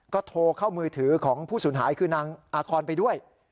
ก็โทรเข้ามือถือของผู้สูญหายคือนางอาคอนไปด้วย